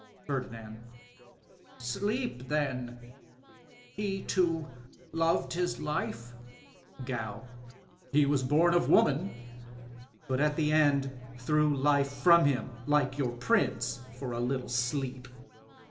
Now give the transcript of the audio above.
Pbrdinand.— Sleep, then .. He too, loved his life? Gow. — He Was bom of woman ... but at the end threw Hfe from him, like your Prince, for a little sleep